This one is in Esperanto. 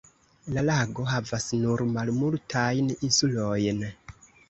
La lago havas nur malmultajn insulojn.